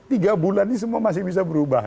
tiga bulan ini semua masih bisa berubah